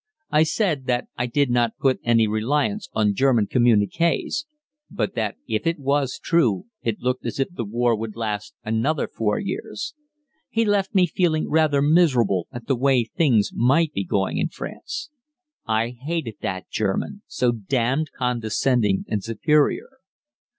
I said that I did not put any reliance on German communiqués, but that if it was true it looked as if the war would last another four years. He left me feeling rather miserable at the way things might be going in France. I hated that German, so damned condescending and superior.